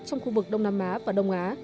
trong khu vực đông nam á và đông á